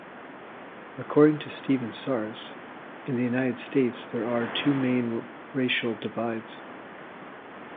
According to Stephen Saris, in the United States there are two main racial divides.